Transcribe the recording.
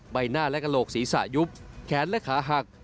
ใบหน้าและกระโหลกศีรษะยุบแขนและขาหัก